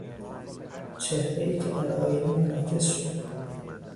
چهرهای که در آینه منعکس شد